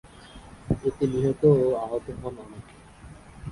এতে নিহত ও আহত হন অনেকে।